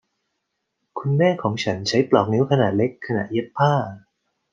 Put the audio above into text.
คุณแม่ของฉันใช้ปลอกนิ้วขนาดเล็กขณะเย็บผ้า